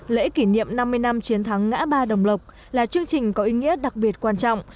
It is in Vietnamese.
lễ kỷ niệm năm mươi năm chiến thắng ngã ba đồng lộc là chương trình có ý nghĩa đặc biệt quan trọng